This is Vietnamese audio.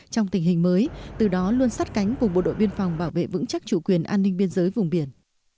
trong tình hình mới từ đó luôn sát cánh cùng bộ đội biên phòng bảo vệ vững chắc chủ quyền an ninh biên giới vùng biển